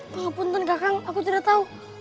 apapun tenggakang aku tidak tahu